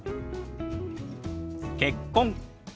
「結婚」。